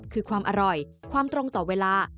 คือความอร่อยความตรงต่อเวลา